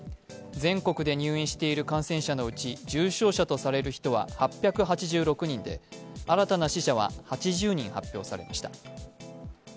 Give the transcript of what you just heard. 全国で入院している感染者のうち重症者とされる人は８８６人で新たな使者は８０人発表されました。